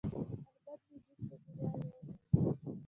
احمد مې دین په دنیا ورور دی.